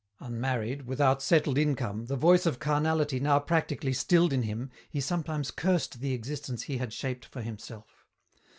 Unmarried, without settled income, the voice of carnality now practically stilled in him, he sometimes cursed the existence he had shaped for himself.